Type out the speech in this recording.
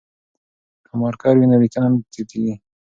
که مارکر وي نو لیکنه نه تتېږي.